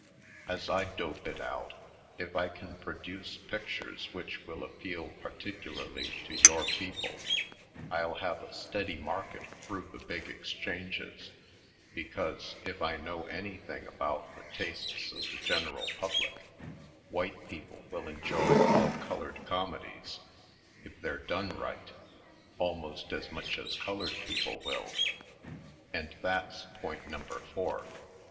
Movie Land 137 As I dope it out, if I can produce pictures which will appeal particularly to your people I'll have a steady market through the big exchanges; because, if I know any thing about the tastes of the general public, white people will enjoy all colored come dies — if they're done right — almost as much as colored people will. And that's point number four.